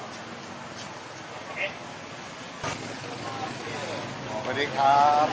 สวัสดีครับ